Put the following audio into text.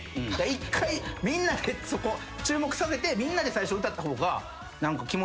一回みんなでそこ注目させてみんなで最初歌った方が何か気持ちええかなと思って。